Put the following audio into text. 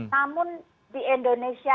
namun di indonesia